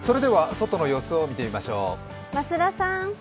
外の様子を見てみましょう。